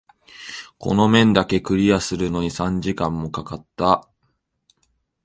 この面だけクリアするのに三時間も掛かった。